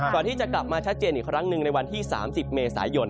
ก่อนที่จะกลับมาชัดเจนอีกครั้งหนึ่งในวันที่๓๐เมษายน